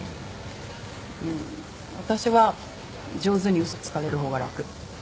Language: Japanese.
私は上手に嘘つかれる方が楽。